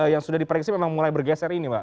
yang sudah diprediksi memang mulai bergeser ini mbak